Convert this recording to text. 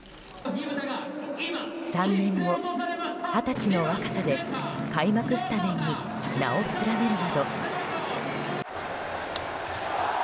３年後、二十歳の若さで開幕スタメンに名を連ねるなど。